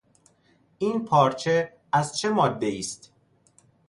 این پارچه از چه مادهای است؟